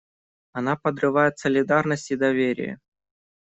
Она подрывает солидарность и доверие.